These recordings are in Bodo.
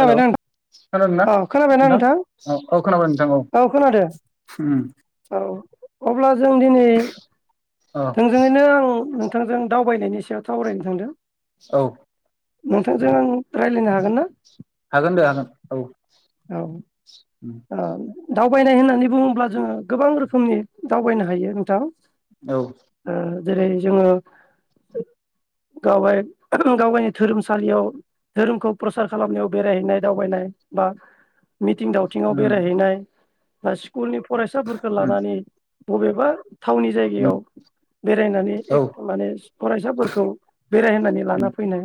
हेल' नोंथां? खोनादों ना औ खोनाबायना नोंथां औ औ खोनाबाय नोंथां औ औ अब्ला जों दिनै औ थोंजोङैनो आं बिथांजों दावबायनायनि सायाव सावरायनो थांदों औ नोंथांजों आं रायलायनो हागोन ना हागोन दे हागोन औ औ उम औ दावबायनाय होननानै बुङोब्ला जोङो गोबां रोखोमनि दावबायनो हायो नोंथां औ ओ जेरै जोङो गाव गावनि धोरोमसालियाव धोरोमखौ प्रसार खालामनायाव बेरायहैनाय दावबायनाय बा मिथिं दा बिथिङाव उम बेरायहैनाय बासि स्कुलनि फरायसाफोरखौ उम लानानै बबेबा थावनि उम जायगायाव बेरायनानै औ माने फरायसाफोरखौ बेरायहोनानै लाना उम फैनाय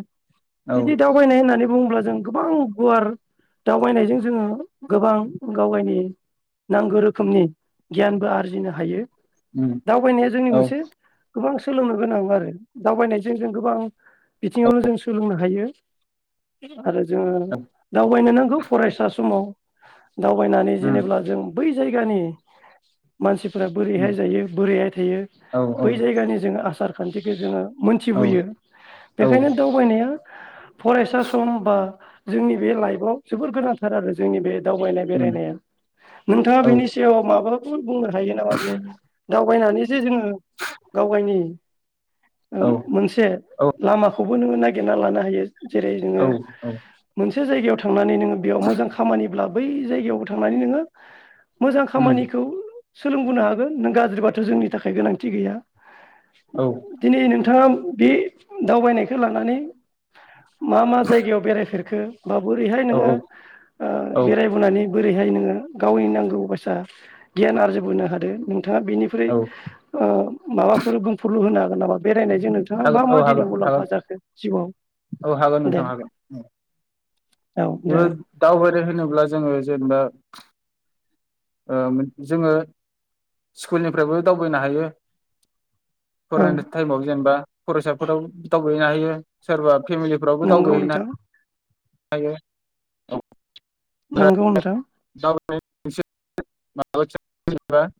औ बिदि दावबायनाय होननानै बुङोब्ला जों गोबां गुवार दावबायनायजों जोङो गोबां गाव गायनि नांगौ रोखोमनि गियानबो आरजिनो हायो उम दावबायनाया जोंनि औ मोनसे गोबां सोलोंनो गोनां आरो दावबायनायजों जों गोबां औ बिथिङावनो जों सोलोंनो हायो आरो जोङो दावबायनो नांगौ फरायसा समाव दावबायनानै औ उम जेनेब्ला जों बै जायगानि मानसि फोरा बोरैहाय उम जायो बोरैहाय थायो औ बै जायगानि जोंङो आसार खान्थिखौ जोङो औ मोनथिबोयो औ उम बेखायनो दावबायनाया फरायसा सम बा जोंनि बे लाइफाव जोबोर गोनांथार आरो जोंनि बे दावबायनाय बेरायनाया नोंथाङा औ बिनि सायाव माबा बुंनो हायो नामा जे दावबायनानै जे जोङो गाव गावनि ओ औ मोनसे औ लामाखौ बो नोङो नागिरना लानो हायो जेरै जोङो औ मोन से जायगायाव थांनानै नोंङो बेयाव मोजां खामानिब्ला बै जायगायावबो थांनानै नोङो मोजां उम औ खामानिखौ सोलोंबोनो हागोन नों गाज्रि बाथ' जोंनि थाखाय गोनांथि गैया औ दिनै नोंथाङा बे दावबायनायखो लानानै मा मा जायगायाव बेरायफेर खो माबोरैहाय औ नोङो ओ औ बेराय बोनानै बोरैहाय नोङो गावनि नांगौ बायसा गियान आरजिबोनो हादो नों थाङा बेनिफ्राय ओ माबाफोर बुंफुरलु होनो गोन नामा बे रायनायजों नोंथाङा हागोन मा मा औ दिनै हागोन मुलाम्फा हागोन जाखो जिउआव औ हागोन दे नोंथां हागोन उम औ ओ जागोन दावबायारि होनो ब्ला जोङो जेनबा ओ मोन जोङो स्कुलनिफ्रायबो दावबायनो हायो औ फरायनाय टाइमाव जेनेबा फरायसाफोराव दाव [unintelligible] फेमिलिफ्रावबो नंगौ नोंथां दावबायहैनाय [unintelligible] नोंगौ नोंथां। [unintelligible] आङो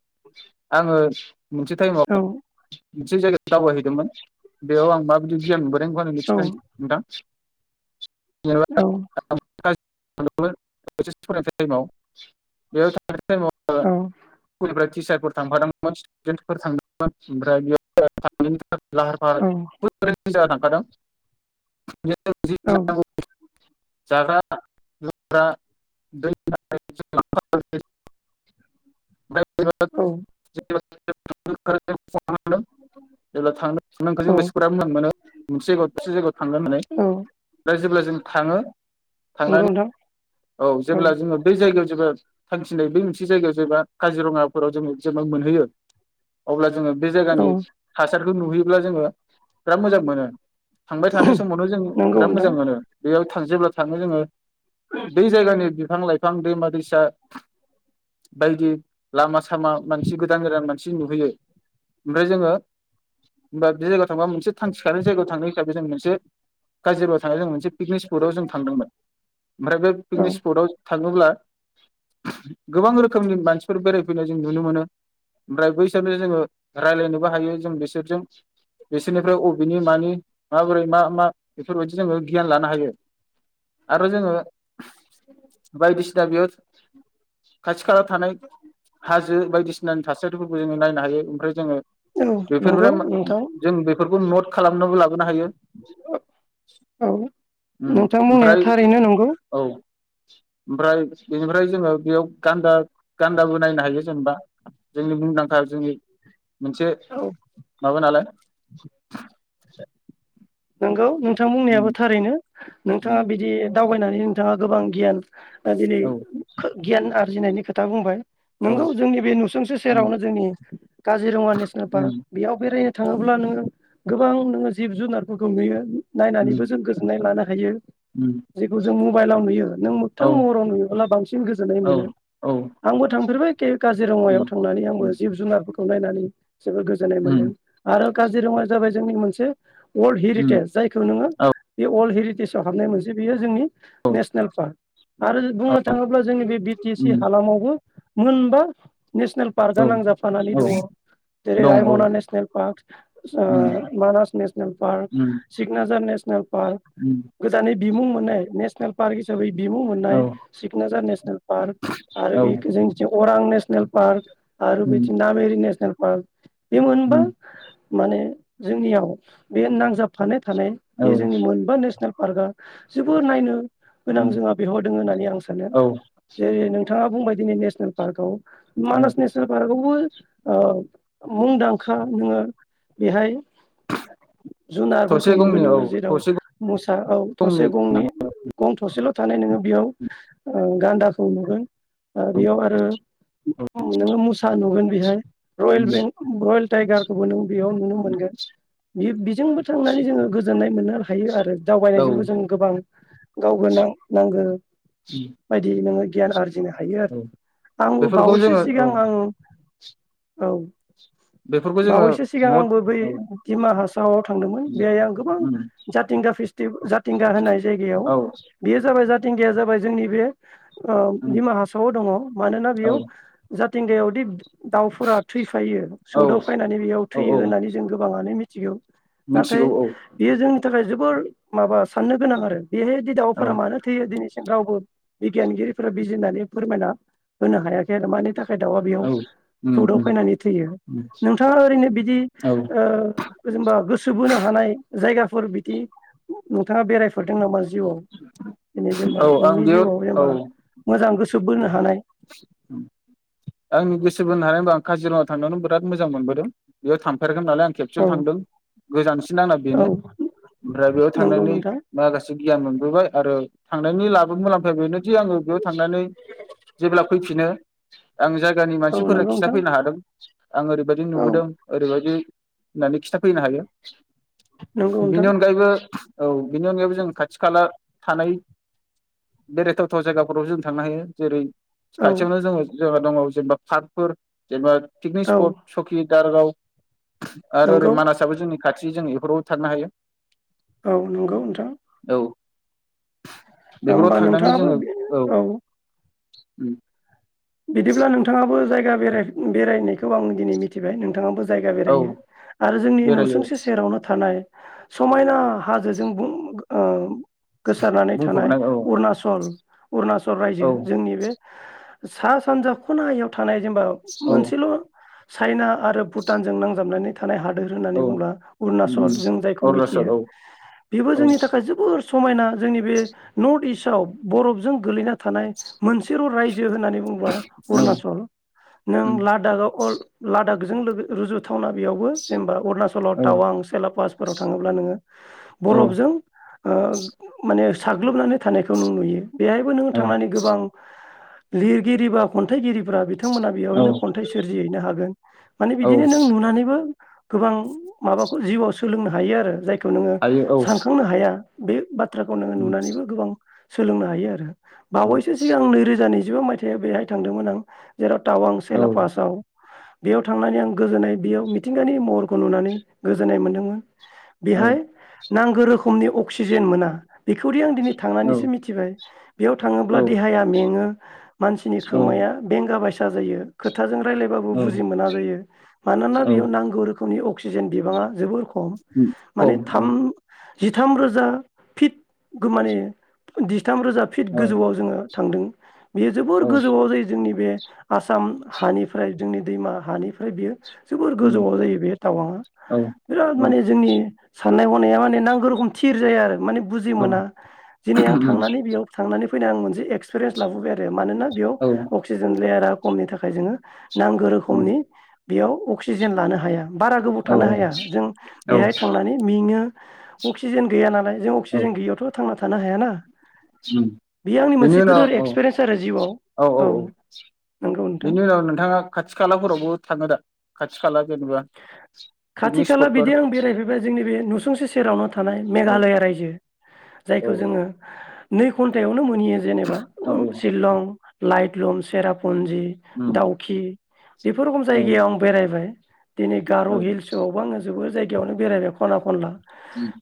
मोनसे टाइमाव औ मोनसे जायगायाव दावबायहैदोंमोन। बेयाव आं माबायदि गियान मोनबो औ [unintelligible] जेनबा औ [unintelligible] [unintelligible] औ फोर थांफादोंमोन स्टुडेन्टफोर थांदोंमोन ओमफ्राय बेयाव लाहार-फाहार औ [unintelligible] जाना थांखादों। औ [unintelligible] जाग्रा लोंग्रा दै औ [unintelligible] [unintelligible] [unintelligible] [unintelligible] ओमफ्राय औ औ जेब्ला जों थाङो। नंगौ थांनानै नोंथां औ जेब्ला जोङो बै जाय जायगायाव जोङो थांखिनाय बेै मोनसे जायगायाव जेबा काजिरङाफोराव जोङो जेनबा मोनहैयो अब्ला जोङो बे जायनि औ थासा रखौ नुहैयोब्ला जोङो बिराद मोजां मोनो। थांबाय थानाय समावथ जों नंगौ बिराद नोंथां मोजां मोनो। बेयाव थांजोब्लाथ थाङो जोङो। बै जायगानि बिफां लाइफां दैमा दैसा बायदि लामा सामा मानसि गोदान गोदान मानसि नुहैयो। ओमफ्राय जोङो होमबा बे जायगायाव थांबा मोनसे थांखिखानाय जायगायाव थांनाय हिसाबै जों मोनसे गाज्रिबाव थानाय जों मोनसे पिकनिक थांदोंमोन। ओमफ्राय बे औ पिकनिक स्पटआव थाङोब्ला गोबां रोखोमनि मानसिफोर बेरायफैनाय जों नुनो मोनो। ओमफ्राय बैसोरनो जोङो राज्लायनोबो हायो जों बिसोरजों बिसोरनिफ्राय अबेनि मानि माबोरै मा मा बेफोर बायदि जोङो गियान लानो हायो। आरो जोङो बायदिसिना बेयाव [unintelligible] खालायाव थानाय हाजो बायदिसि सिनानि थासारिफोरखौ जोङो नायनो हायो ओमफ्राय जोङो औ बेफोरबो नंगौ नोंथां जों बेफोरखौ नट खालामनाबो लाब बोनो हायो औ उम नोंथां बुंनाया ओमफ्राय थारैनो नंगौ औ ओमफ्राय बेनिफ्राय जोङो बेयाव गान्दा गान्दाबो नायनो हायो जेनेबा जोंनि मुंदांखा जोंनि मोनसे औ माबा नालाय [inaudible] नोंगौ नों थां बुंनायाबो उम थारैनो नोंथाङा उम बिदि दावबायनानै नोंथाङा गोबां गियान ओ‌ दिनै औ [unintelligible] गियान आरजिनायनि खोथा बुंबाय औ नोंगौ जोंनि बे नुसुंसे उम सेरावनो जोंनि काजिरङा नेसनेल पार्क उम बेयाव बेराय थाङोब्ला नोङो गोबां नोङो जिब जुनार फोरखौ नुयो नायनानैबो उम जों गोजोननाय लानो हायो उम जेखौ जों मबाइलाव नुयो नों मोगथां औ महराव नुयोबोब्ला बांसिन गोजोननाय औ मोनो औ आंबो थांफेरबाय एखे काजिरङायाव उम थांनानै आंबो उम जिब जुनारफोरखौ खौ नायनानै जोबोद गोजोननाय मोनदों आरो काजिरङाया जाबाय जोंनि मोनसे अलड उम हेरिटेज जायखौ नोङो औ बे अलड हेरि सआव हाबनाय मोनसे बेयो जोंनि औ नेसनेल पार्क आरो औ बुंनो थाङोब्ला जोंनि बे बि टि ए सि उम हालामावबो मोनबा नेसनेल पार्कआ औ नांजाबफानानै औ दङ जेरै दं औ रायमना नेसनेल पार्क उम मानास नेसनेल पार्क उम सिगनाजार नेेसनेल पार्क उम गोजानि बिमुं मोननाय नेसनेल पार्क हिसाबै बिमुं औ मोननाय सिकनाजार नेसनेल पार्क आरो औ बे जोंनि अरां नेसनेल नेसनेल पार्क आरो उम बेदिनो नामिरि नेसनेल औ बे मोनबा उम माने जोंनियाव बे नांजाबफानाय थानाय औ बे जोंनि मोनबा नेसनेल पार्कआ जोबोर नायनो गोनां उम जोंहा बेवहायदों होननानै आं सानो औ जेरै नों नोंथाङा बुंबाय दिनै नेसनेल पार्कआव औ मानास नेसनेल पार्क आवबो ओ मुंदांखा नोङो बेहाय जुनारफोरखौ थसे नुगोन गंनि औ नोङो जेराव थसे मोसा औ थसे गंनि गं थसेल' थानाय नोङो बेयाव ओ गान्दाखौ नुगोन बेयाव आरो नोङो मुसा नुगोन बेहाय रयेल बें रयेल टाइगारखौबो नों बेयाव नुनो मोनगोन बे बेजोंबो थांनानै जोङो गोजोननाय मोननो हायो आरो औ दावबायनायजोंबो जों गोबां गावनो नां नांगौ बायदि नोङो गियान आरजिनो हायो औ आरो आंबो बेफोरखौ बावैसो जोङो औ सिगां आं औ बेफोरखौ जोङो बावैसो सिगां नट आंबो बै औ [unintelligible] आव थांदोंमोन बेहाय आं गोबां उम जाथिंगा फेस्टि जाथिंगा होनाय जायगायाव औ बेयो जाबाय मिथिंगाया जाबाय जोंनि बे उम दिमा हासाव दङ मानोना औ बेयाव जा थिंगायावदि दाउफोरा थैफायो औ सौदाव फैनानै बेयाव औ थैयो औ होननानै जों गोबाङानो मिथिगौ नाथाय मिथिगौ औ बेयो जोंनि नि थाखाय जोबोर माबा साननो गोनां आरो बेहाय बि औ दावाफोरा मानो थैयो दिनैसि रावबो बिगियानगिरिफोरा बिज होननानै फोरमायना होनो हायाखै आरो मानि थाखाय खाय दाउआ बेयाव औ उम सौदाव उम फैनानै थैयो उम नोंथाङा ओरैनो बिदि औ ओ जेनबा गोसो बोनो हानाय जायगाफोर बिदि नोंथाङा बेरायफरदों नामा जिउआव जेनेबा नोंनि आं बेयाव जिउआव औ जेनेबा मोजां गोसो सोबबोनो हानाय आंनि गोस बोनो हानाया आं काजिरङा थांनायावनो बिराद मोजां मोनबोदों बेयाव थांफेर नालाय आं औ खेबसेल' थांदों गोजानसिन आंना औ बेनो ओमफ्राय बेयाव नंगौ थांनानै नोंथां माखासे गियान मोनबोबाय आरो थांनायनि लाबो मुलाम्फाया बेनोदि आङो बेयाव थांनानै जेब्ला फैफिनो आं जायगानि औ मानसिफोरनो नंगौ नोंथां खिन्थाफैनो हादों आं ओरैबायदि औ नुबोदों ओरैबायदि होननानै खिथाफैनो हायो नंगौ बेनि नोंथां अनगायैबो औ बेनि अनगायैबो जों खाथि खाला थानाय बेरायथावथाव जायगाफोराव जों थांनो हायो जेरै औ खाथियावनो जोङो दङ जेनेबा पार्कफोर जेनेबा पिकनिक औ स्पर्ट सौखि दारागाव आरो ओरै नंगौ मानासाबो जोंनि खाथि जों बेफोरावबो थांनो हायो औ नंगौ नोंथां औ बेफोराव होमबा थांनानै नोंथाङाबो बे औ उम बिदिब्ला नोंथाङाबो जायगा बेरायनायखौ आं दिनै मिथिबाय नोंथाङाबो जायगा औ बेरायो आरो जोंनि बेरायो न'सुंसे सेरावनो थानाय समायना हाजोजों बुं गोसारनानै थानाय बुंफबनाय औ अरुनाचल अरुनाचल रायजो औ जोंनि बे सा सानजा खनायाव थां थानाय जेनेबा औ मोनसेल' चाइना आरो भुटानजों नांजाबनायनि थाखाय थानाय हादोर होननानै औ बुङोब्ला अरुणाचल जों जायखौ अरुणाचल मिथियो औ बेबो औ जोंनि थाखाय जोबोर समायना जोंनि बे नर्थ इस्ट औ बरफजों गोलैना थानाय मोनसेल' रायजो होननानै बुंबा औ अुणचल नों लाडाक आव लाडाक जों लोगो रुजुथावना बेयावबो जेनेबा अरुणाचलाव औ टावां सेलापासफोराव थाङोब्ला नोङो औ बरफजों ओ माने साग्लोबनानै थानायखौ जों नुयो। बेहायबो नोङो औ थांनानै गोबां लिरगिरि बा खन्थाइगिरिफोरा बिदि बिथांमोना औ बेवहायनो खन्थाइ सोरजिहैनो हागोन माने औ बिदिनो नों नुनानैबो गोबां माबाखौ जिउआव सोलोंनो हायो आरो जाय खौ नोङो हायो औ सानखांनो हाया। बे बाथ बाथ्राखौ नोङो नुनानैबो गोबां सोलोंनो हायो आरो। बावैसो सिगां नैरोजा नैजि नैजिबा मायथाइयाव बेहाय थांदोंमोन आं। जेराव टावां औ चेला पासाव बेयाव थांनानै आं गोजोननाय बेयाव मिथिंगानि महरखौ नुनानै गोजोननाय मोन्दोंमोन। बिहाय नांगौ रोखोमनि अक्सिजेन मोना बेखौदि आं दिनै औ थांनानैसो मिथिबाय बेयाव औ थाङोब्ला देहाया मेङो मानसिनि खोमाया बेंगा बायसा जायो। खोथाजों रायलायबाबो बुजि मोना जायो मानोना औ बेयाव नांगौ रोखोम नि अक्सिजेन बिबाङा जोबोर खम माने खम औ थाम जिथाम रोजा फिट गो माने दि जि थाम रोजा फिट औ गोजौआव जोङो थांदों बेयो जोबोर औ गोजौआव जायो जोंनि बे आसाम हानिफ्राय जोंनि दैमा हानिफ्राय बियो जोबोर उम, गोजौआव जायो बे टावांआ औ बिराद औ माने जोंनि साननाय गनाया माने नांगौ रोखोम थिर जाया आरो माने बुजि औ मोना दिनै आं थांनानै बेयाव थांनानै फैनो आं मोन एक्सपिरियेन्स लाबोबाय आरो मानोना औ बेयाव अक्सिजेन लेयारा खमनि थाखाय जोङो नांगौ रोखोमनि बेयाव अक्सिजेन लानो हाया बारा गोबाव औ थानो हाया जों औ बेहाय थांनानै मेङो अक्सिजेन गैया नालाय जों औ अक्सिजेन गैयैयावथ' थांना थाना हाया ना उम बिनि उनाव औ एक्सपिरियेन्स आरो जिउआव औ औ औ नंगौ नोंथां बेनि उनाव नोंथाङा खाथि खालाफोरावबो थाङो दा खाथि खाला जेनेबा खाथि पिकनिक खाला स्पटफोर बिदि आं बेरायफैबाय जोंनि बे नुसुंसे सेरावनो थानाय औ मेघालया रायजो औ जायखौ जोङो नै घन्टायाव नो मोनहोयो जेनेबा औ शिलं लाइट लुम सेराप फुन्जि उम दाउखि बेफोर रखम औ जायगायाव आं बेरायबाय दिनै गार' औ उम हिल्स अबावबो आङो जोबो जाय गायावनो बेरायबाय खना खनला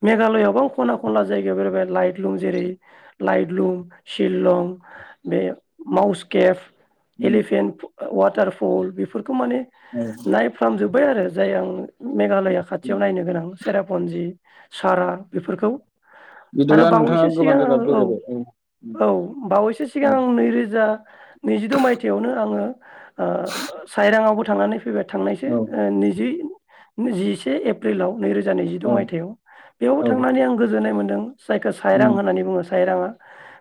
मेघालयावबो खना खनला जायगायाव बेरायबाय लाइट लुम जेरै लाइटलुम शिलं बे माउस केफ उम एलिफेन्ट प ओ वाटारफल बेफोर खौ माने औ नायफ्राम जोब बाय आरो जाय आं मेघालया उम। खाथियाव नायनो गोनां चेरापन्जि सारा बेफोरखौ आरो बिदिब्ला नोंथाङा बावैसो गोबां सिगां आङो जायगा औ बेरायबाय उम औ बावैसो सिगां आं नैरोजा नैजिद' मायथाइयावनो आङो ओ साइरांआवबो थांनानै फैबाय थांनायसो औ ओ नैजि नो जिसे एप्रिलाव नैरोजा नैजिद' औ मायथाइयाव बेयावबो औ थांनानै आं गोजोननाय मोन दों जायखौ सायरां उम होननानै बुङो साइराङा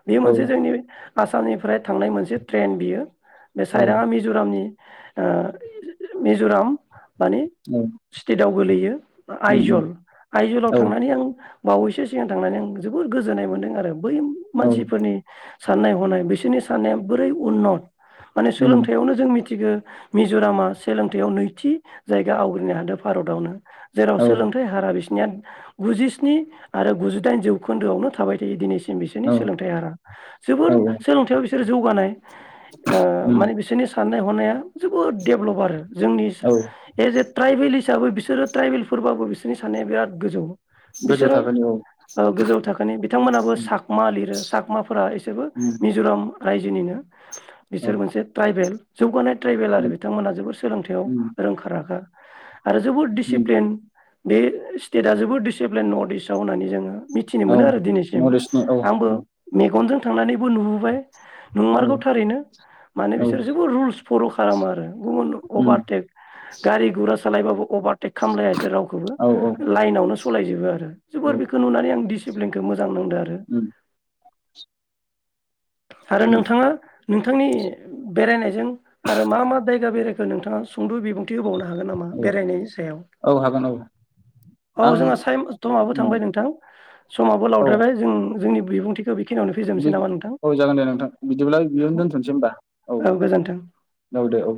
बेयो औ मोनसे जोंनि आसामनिफ्राय थांनाय मोनसे ट्रेन बियो बे औ साइराङा मिज'रामनि मिज'राम माने उम स्टेटाव गोलैयो उम आइजल आइजलाव औ थांनानै आं बावैसो सिगां थांनानै आं जोबोर गोजोन्नाय मोनदों आरो बै औ मानसिफोरनि साननाय हनाय बिसोरनि साननाया बोरै उननत माने उम सोलोंथाइयावनो जों मिथि गो मिज'रामा सोलोंथायाइयाव नैथि जायगा आवग्रिनो हादों भारतावनो जेराव औ सोलोंथाइ हारा बिसिना गुजिस्नि आरो गुजिदाइन जौखोन्दोआवनो थाबाय थायो दिनैसिम बिसोरनि सोलोंथाइ हारआ औ जोबोर सोलोंथायाव बिसोर जौगानाय उम माने बिसोरनि साननाय हनाया जोबोद देडेभेलप आरो जोंनि औ ए जे ट्राइबेल हिसाबै बिसोरो ट्राइबेलफोरबाबो बिसोरनि साननाया बिराद गोजौ गोजौ बिसोरो थाखोनि औ उम गोजौ थाखोनि बिथांमोनाबो साकमा लिरो साकमाफोरा एसोबो उम, मिज'राम रायजोनिनो। औ बिसोर मोनसे ट्राइबेल जौगानाय ट्राइबेल आरो उम, बिथांमोनहा जोबोर उम, सोलोंथायाव आगा आरो जोबोद उम, दिसिप्लेन बे स्टेटा जोबोद दिसिप्लेन नर्थ इस्टआव होननानै जोङो। मिथिनो औ मोनो आरो दिनैसिम नलेजनि औ आंबो उम, मेगनजों। थांनानैबो नुबोबाय औ नंमारगौ थारैनो माने औ बिसोर जोबोर रुल्स फल' खालामो आरो। गुबुन उम, अभारटेक गारि गुरा सालायबाबो अभार टेक खालामलायासै रावखौबो औ औ लाइनावनो सलायजोबो आरो। औ जोबोर बेखौ नुनानै आं दिस सिबलिंग खो मो मोजां नांदो आरो। उम, आरो उम, नोंथाङा? नोंथांनि बेरायनायजों आरो मा मा जायगा बेेराय खो नोंथाङा फुंद' बिबुं थि होबावनो हागोन नामा औ बेरायनायनि सायाव औ हागोन औ औ आं जोंहा साइम समाबो उम, थांबाय नोंथां समाबो औ लावद्रायबाय जों जोंनि बिबुंथि औ जागोन दे नोंथां बिदिब्लाय बेयावनो दोनथ'नोसै होनबा औ औ दे ओ।